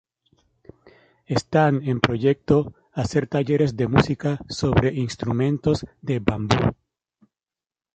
Están en proyecto hacer talleres de música sobre instrumentos de bambú.